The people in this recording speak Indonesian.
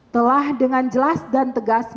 telah dengan jelas dan tegas